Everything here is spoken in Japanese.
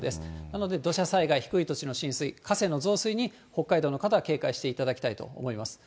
なので、土砂災害、低い土地の浸水、河川の増水に、北海道の方は警戒していただきたいと思います。